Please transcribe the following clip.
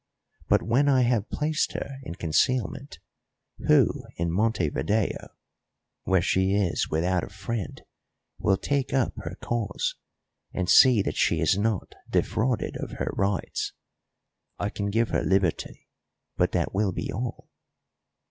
But when I have placed her in concealment, who in Montevideo, where she is without a friend, will take up her cause and see that she is not defrauded of her rights? I can give her liberty, but that will be all."